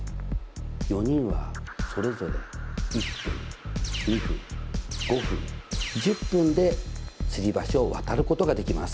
４人はそれぞれ１分２分５分１０分でつり橋を渡ることができます。